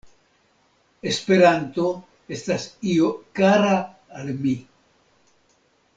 “Esperanto estas io kara al mi.